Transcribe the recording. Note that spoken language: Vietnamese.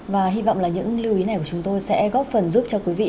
và hy vọng là những lưu ý này của chúng tôi sẽ góp phần giúp cho quý vị